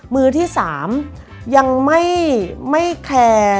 มือที่๓ยังไม่แคร์